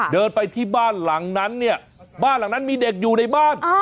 เดินไปที่บ้านหลังนั้นเนี่ยบ้านหลังนั้นมีเด็กอยู่ในบ้าน